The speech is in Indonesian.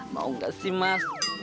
mau gak sih mas